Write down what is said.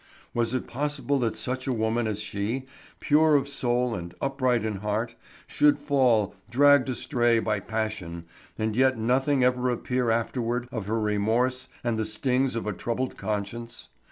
Was it possible that such a woman as she, pure of soul and upright in heart, should fall, dragged astray by passion, and yet nothing ever appear afterward of her remorse and the stings of a troubled conscience?